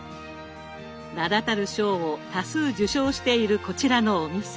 名だたる賞を多数受賞しているこちらのお店。